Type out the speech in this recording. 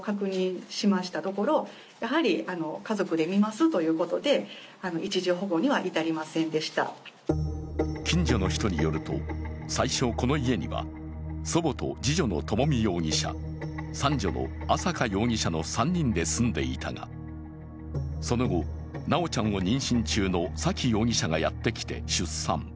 しかし近所の人によると、最初この家には、祖母と次女の朝美容疑者、三女の朝華容疑者の３人で住んでいたがその後、修ちゃんを妊娠中の沙喜容疑者がやってきて出産。